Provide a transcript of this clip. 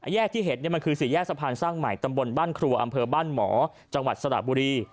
แยกที่เห็นมันคือสี่แยกสะพานสร้างใหม่ตำบลบ้านครัวอำเภอบ้านหมอจังหวัดสระบุรี